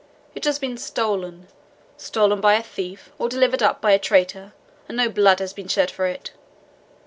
It has been stolen stolen by a thief, or delivered up by a traitor, and no blood has been shed for it.